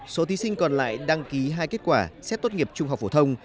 số thí sinh còn lại đăng ký hai kết quả xét tốt nghiệp trung học phổ thông